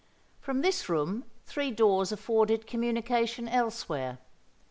From this room three doors afforded communication elsewhere.